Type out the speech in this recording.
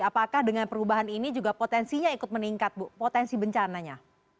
apakah dengan perubahan ini juga potensinya ikut meningkat bu potensi bencananya